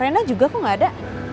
rena juga kok nggak ada